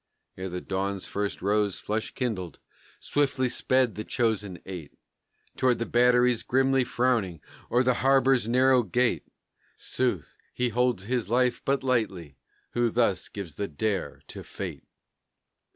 Ere the dawn's first rose flush kindled, swiftly sped the chosen eight Toward the batteries grimly frowning o'er the harbor's narrow gate; Sooth, he holds his life but lightly who thus gives the dare to Fate.